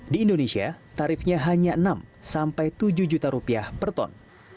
di indonesia tarifnya hanya enam sampai tujuh juta rupiah per ton